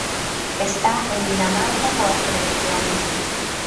Está en Dinamarca coa selección.